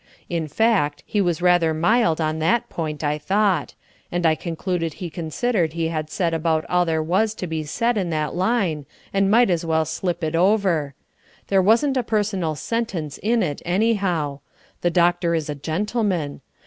In fact, he was rather mild on that point, I thought; and I concluded he considered he had said about all there was to be said in that line, and might as well slip it over. There wasn't a personal sentence in it, anyhow. The doctor is a gentleman.